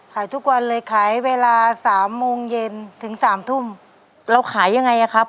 ขายทุกวันเลยขายเวลาสามโมงเย็นถึงสามทุ่มเราขายยังไงอ่ะครับ